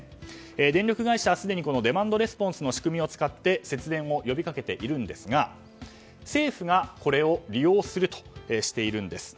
電力会社はすでにこのデマンドレスポンスの仕組みを使って節電を呼びかけているんですが政府がこれを利用するとしているんです。